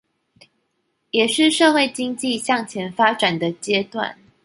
也是社會經濟向前發展的階段